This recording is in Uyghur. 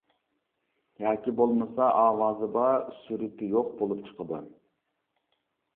ياكى بولمىسا ئاۋازى بار سۈرىتى يوق بولۇپ چىقىدۇ.